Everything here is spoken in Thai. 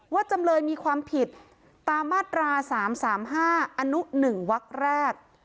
ว่าจำเลยมีความผิดตามมาตราสามสามห้าอนุหนึ่งวักแรก